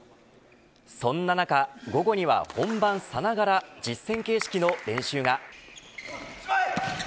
そんな中、午後には本番さながら実戦形式の練習が。